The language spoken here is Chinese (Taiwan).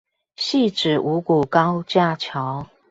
汐止五股高架橋